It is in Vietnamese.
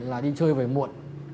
là đi chơi về muộn